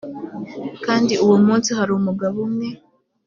kandi uwo munsi hari umugabo umwe